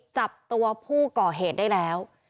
จับตัวผู้ก่อเหตุได้แล้ว